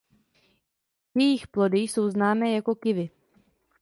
Jejich plody jsou známé jako kiwi.